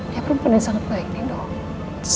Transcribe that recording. dia perempuan yang sangat baik nino